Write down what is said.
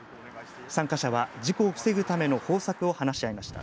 参加者は事故を防ぐための方策を話し合いました。